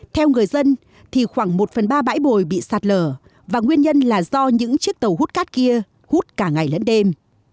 theo người dân thì khoảng một phần ba bãi bồi bị sạt lở và nguyên nhân là do những chiếc tàu hút cát kia hút cả ngày lẫn đêm